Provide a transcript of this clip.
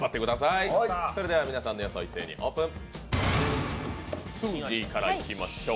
それでは皆さんの予想、一斉にオープン。